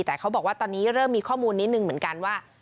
แต่เขาบอกว่าตอนนี้เริ่มมีข้อมูลนิดนึงเหมือนกันว่า